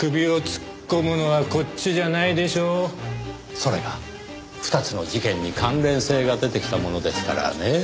それが２つの事件に関連性が出てきたものですからねぇ。